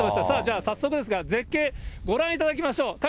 さあ、早速ですが、絶景、ご覧いただきましょう。